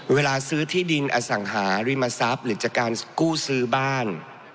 เวลาซื้อที่ดินอสังหาริมทรัพย์หรือจากการกู้ซื้อบ้าน